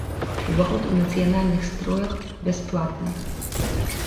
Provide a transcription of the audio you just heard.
Уваход у нацыянальных строях бясплатны.